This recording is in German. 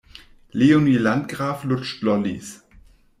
Leonie Landgraf lutscht Lollis.